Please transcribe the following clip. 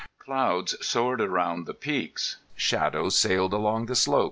Clouds soared around the peaks. Shadows sailed along the slopes.